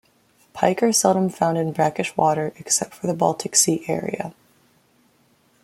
Pike are seldom found in brackish water, except for the Baltic Sea area.